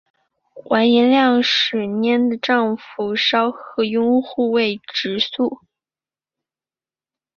完颜亮使习拈的丈夫稍喝押护卫直宿。